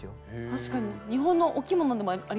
確かに日本のお着物でもありますよね？